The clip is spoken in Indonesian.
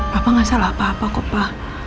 papa gak salah apa apa kok pa